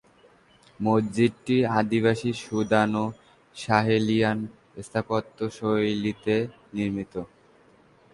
মসজিদটি আদিবাসী সুদানো-সাহেলিয়ান স্থাপত্যশৈলীতে নির্মিত।